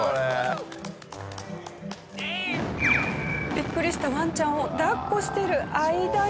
ビックリしたワンちゃんを抱っこしてる間に。